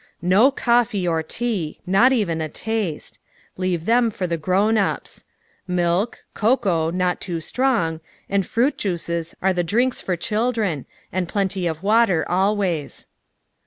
No coffee or tea ŌĆö not even a taste. Leave them for the grov/nups. Milk, cocoa, not too strong, and fruit juices are the drinks for children, and plenty of water always.